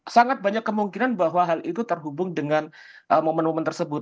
sangat banyak kemungkinan bahwa hal itu terhubung dengan momen momen tersebut